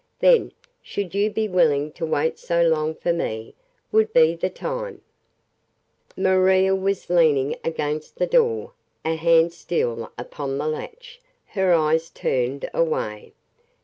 Then, should you be willing to wait so long for me, would be the time ..." Maria was leaning against the door, a hand still upon the latch, her eyes turned away.